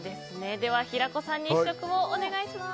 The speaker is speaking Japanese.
では平子さんに試食お願いします。